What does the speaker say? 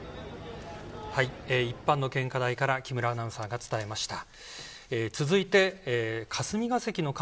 一般の献花台から木村アナウンサーが伝えました。